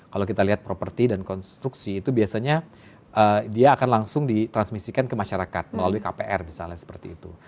kalau kita lihat properti dan konstruksi itu biasanya dia akan langsung ditransmisikan ke masyarakat melalui kpr misalnya seperti itu